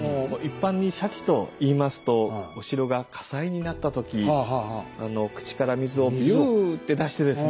一般に「鯱」といいますとお城が火災になった時口から水をびゅって出してですね